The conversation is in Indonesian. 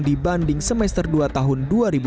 dibanding semester dua tahun dua ribu dua puluh